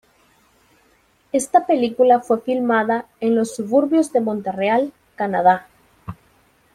Esta película fue filmada en los suburbios de Montreal, Canadá.